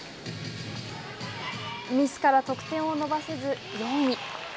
ミスから得点を伸ばせず４位。